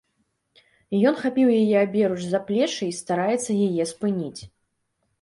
Ён хапіў яе аберуч за плечы і стараецца яе спыніць.